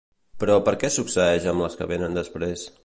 Però què succeeix amb les que venen després?